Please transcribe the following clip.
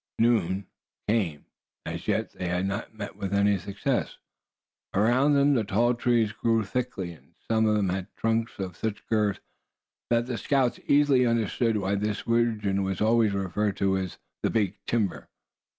Noon came, but as yet they had not met with any success. Around them the tall trees grew thickly, and some of them had trunks of such girth that the scouts easily understood why this region was always referred to as the "big timber."